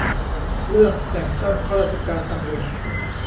เรื่อง แต่งตั้งข้าราชการตำรวจ